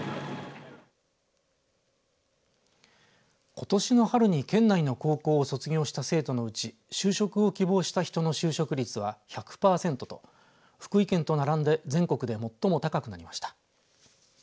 ことしの春に県内の高校を卒業した生徒のうち就職を希望した人の就職率は１００パーセントと福井県と並んで全国で最も高くなりました。